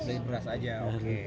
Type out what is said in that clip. beri beras saja oke